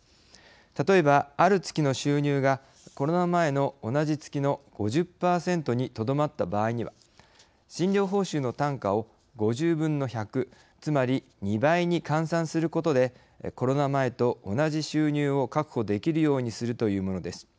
例えばある月の収入がコロナ前の同じ月の５０％にとどまった場合には診療報酬の単価を５０分の１００つまり２倍に換算することでコロナ前と同じ収入を確保できるようにするというものです。